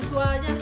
aduh ada apa ya